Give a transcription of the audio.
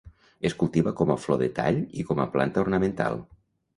Es cultiva com a flor de tall i com a planta ornamental.